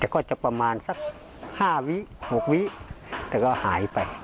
แต่ก็จะประมาณสักห้าวิหกวิแต่ก็หายไป